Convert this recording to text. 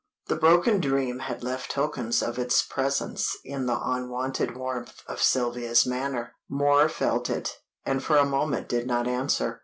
The broken dream had left tokens of its presence in the unwonted warmth of Sylvia's manner; Moor felt it, and for a moment did not answer.